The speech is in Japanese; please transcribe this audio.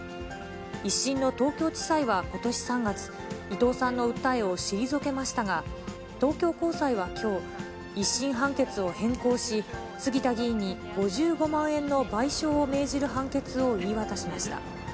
１審の東京地裁はことし３月、伊藤さんの訴えを退けましたが、東京高裁はきょう、１審判決を変更し、杉田議員に５５万円の賠償を命じる判決を言い渡しました。